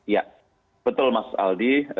ya betul mas aldi